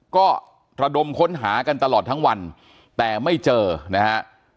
ก็ระดมค้นหากันตลอดทั้งวันแต่ไม่เจอนะฮะ